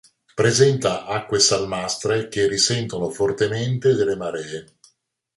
Presenta acque salmastre che risentono fortemente delle maree.